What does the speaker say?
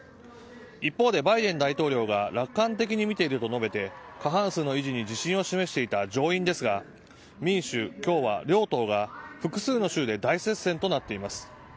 一方でバイデン大統領が楽観的に見ていると述べて過半数の維持に自信を示していた上院ですが民主・共和両党が複数の州で大接戦となっています。